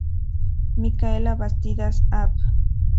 Micaela Bastidas, Av.